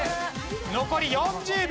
残り４０秒。